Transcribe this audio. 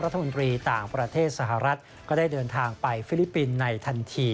รัฐมนตรีต่างประเทศสหรัฐก็ได้เดินทางไปฟิลิปปินส์ในทันที